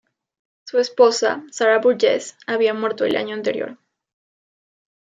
Su esposa, Sarah Burgess, había muerto el año anterior.